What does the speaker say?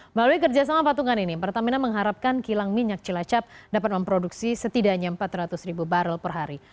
melalui kerjasama patungan ini pertamina mengharapkan kilang minyak cilacap dapat memproduksi setidaknya empat ratus ribu barrel per hari